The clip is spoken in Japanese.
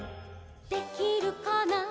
「できるかな」